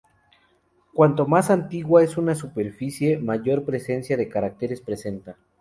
Cuanto más antigua es una superficie, mayor presencia de cráteres presenta.